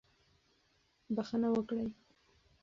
بښنه وکړئ.